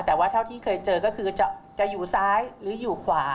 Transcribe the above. แต่ว่าเท่าที่เคยเจอก็คือจะอยู่ซ้ายหรืออยู่ขวา